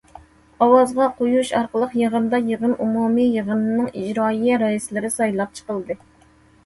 ئاۋازغا قويۇش ئارقىلىق، يىغىندا يىغىن ئومۇمىي يىغىنىنىڭ ئىجرائىيە رەئىسلىرى سايلاپ چىقىلدى.